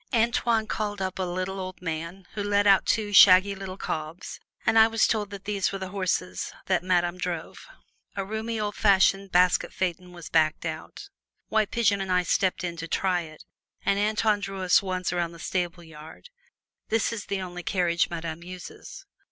Antoine called up a little old man, who led out two shaggy little cobs, and I was told that these were the horses that Madame drove. A roomy, old fashioned basket phaeton was backed out; White Pigeon and I stepped in to try it, and Antoine drew us once around the stable yard. This is the only carriage Madame uses.